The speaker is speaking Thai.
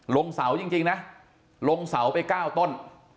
ลงเสาจริงนะลงเสาไป๙ต้น